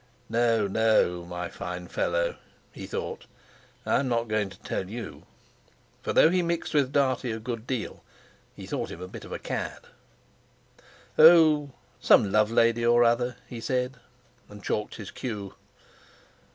"No, no, my fine fellow," he thought, "I'm not going to tell you." For though he mixed with Dartie a good deal, he thought him a bit of a cad. "Oh, some little love lady or other," he said, and chalked his cue.